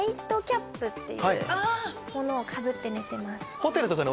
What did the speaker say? っていうものをかぶって寝てます。